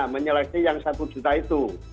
menyelesaikan yang rp satu juta itu